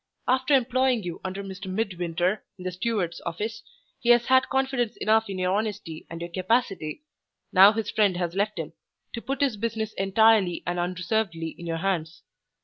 After employing you under Mr. Midwinter, in the steward's office, he has had confidence enough in your honesty and your capacity, now his friend has left him, to put his business entirely and unreservedly in your hands.